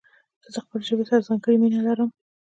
زه د خپلي ژبي سره ځانګړي مينه لرم.